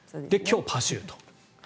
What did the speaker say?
今日、パシュート。